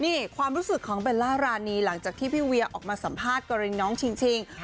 นี่ความรู้สึกของเบลล่ารานีหลังจากที่พี่เวียออกมาสัมภาษณ์กรณีน้องชิง